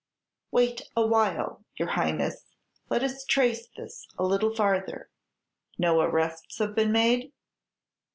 "Wait awhile, your Highness; let us trace this a little farther. No arrests have been made?"